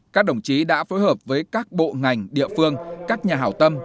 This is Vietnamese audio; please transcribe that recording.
các đồng chí đã phối hợp với các bộ ngành địa phương các nhà hảo tâm